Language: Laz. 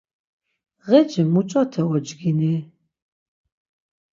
Ğeci muç̌ote ocgini?